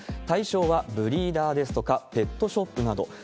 対象はブリーダーですとかペットショップなど。